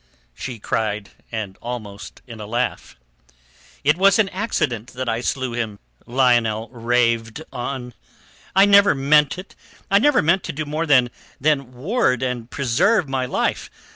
she cried, and almost seemed to laugh "It was an accident that I slew him," Lionel raved on. "I never meant it. I never meant to do more than ward and preserve my life.